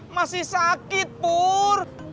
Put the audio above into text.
masih sakit purr